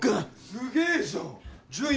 すげえじゃん順位